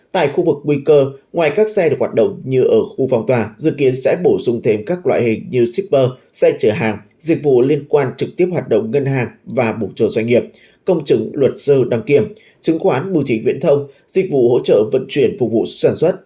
tại khu vực nguy cơ ngoài các xe được hoạt động như ở khu phòng tòa dự kiến sẽ bổ sung thêm các loại hình như shipper xe chở hàng dịch vụ liên quan trực tiếp hoạt động ngân hàng và bổ trợ doanh nghiệp công chứng luật dơ đăng kiểm chứng khoán bù chỉ viễn thông dịch vụ hỗ trợ vận chuyển phục vụ sản xuất